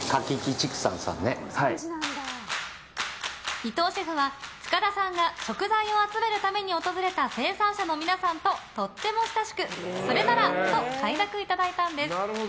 伊藤シェフは塚田さんが食材を集めるために訪れた生産者の皆さんととっても親しくそれなら、と快諾いただいたんです。